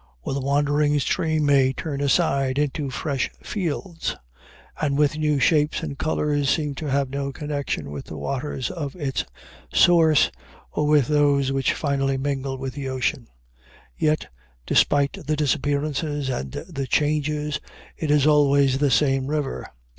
Or the wandering stream may turn aside into fresh fields, and, with new shapes and colors, seem to have no connection with the waters of its source or with those which finally mingle with the ocean. Yet, despite the disappearances and the changes, it is always the same river.